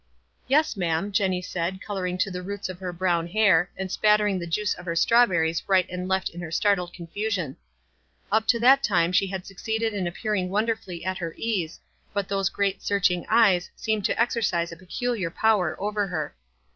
"Yes, ma'am," Jenny said, coloring to the roots of her brown hair, and spattering the juice of her strawberries right aud left in her startled confusion. Up to that time she had succeeded in appearing wonderfully at her ease, but those great searching eyes seemed to exer> cise a peculiar power over her.